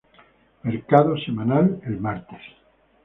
Mercado semanal el martes.